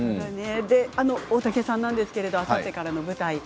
大竹さんですがあさってからの舞台